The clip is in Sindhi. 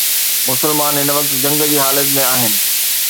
مسلمان هن وقت جنگ جي حالت ۾ آهن.